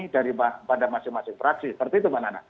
dari pada masing masing fraksi seperti itu pak nana